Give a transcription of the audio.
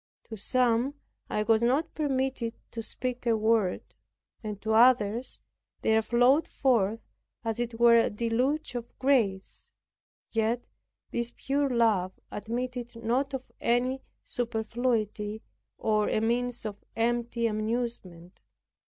To some I was not permitted to speak a word; and to others there flowed forth as it were a deluge of grace, and yet this pure love admitted not of any superfluity, or a means of empty amusement.